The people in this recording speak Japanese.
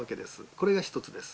これが一つです。